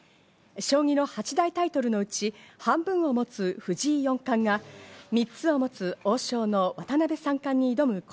将棋の８大タイトルのうち、半分を持つ藤井四冠が３つを持つ王将の渡辺三冠に挑む